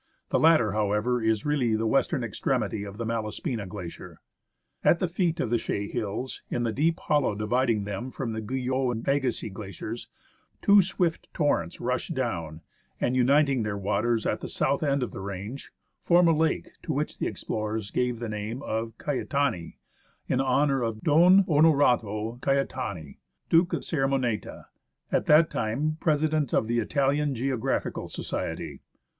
The latter, however, is really the western extremity of the Malaspina Glacier. At the feet of the Chaix Hills, in the deep hollow dividing them from the Guyot and Agassiz glaciers, two swift torrents rush down, and, uniting their waters at the south end of the range, form a lake to which the explorers gave the name of " Caetani " in honour of Don Onorato Caetani, Duke of Sermoneta, at that time Presi dent of the Italian Geographical Society.